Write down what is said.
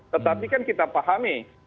tetapi kan kita pahami